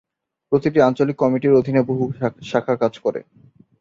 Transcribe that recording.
প্রতিটি আঞ্চলিক কমিটির অধীনে বহু শাখা কাজ করে।